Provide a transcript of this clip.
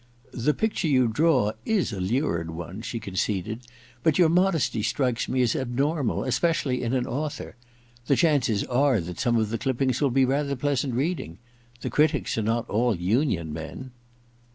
* The picture you draw is a lurid one,' she conceded, * but your modesty strikes me as abnormal, especially in an author. The chances are that some of the clippings will be rather pleasant reading. The critics are not all Union men.'